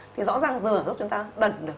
thì rõ ràng rửa giúp chúng ta đẩn được